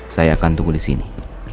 saya akan tunggu di sini